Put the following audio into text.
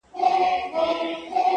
• خدایه کشکي مي دا شپه نه ختمېدلای -